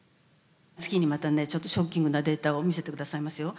次にまたねちょっとショッキングなデータを見せて下さいますよ。